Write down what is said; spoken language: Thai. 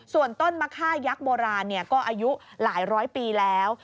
ส่วนต้นมะค่ายักษ์โบราณก็อายุหลายร้อยปีแล้ว